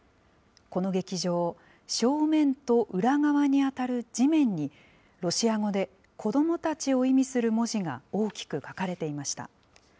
この劇場、正面と裏側にあたる地面に、ロシア語で子どもたちを意味する文字が大きく書かれていました。